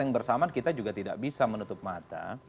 yang bersamaan kita juga tidak bisa menutup mata